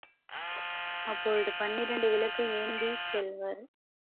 அப்போது பன்னிரண்டு விளக்கு ஏந்திச் செல்வர்.